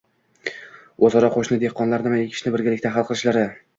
O‘zaro qo‘shni dehqonlar nima ekishni birgalikda hal qilishlari